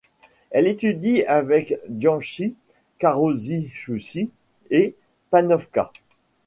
Elle étudie avec Bianchi, Carozzi-Zucchi et Panofka.